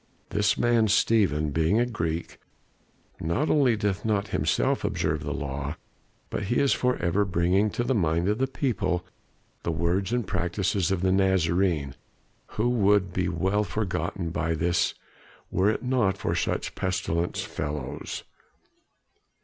This man Stephen, being a Greek, not only doth not himself observe the law, but he is forever bringing to the mind of the people the words and practices of the Nazarene, who would be well forgotten by this were it not for such pestilent fellows.